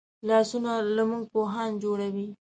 لاسونه له موږ پوهان جوړوي